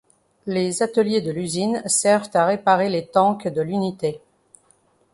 Les ateliers de l'usine servent à réparer les tanks de l'unité.